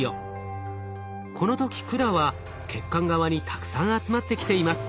この時管は血管側にたくさん集まってきています。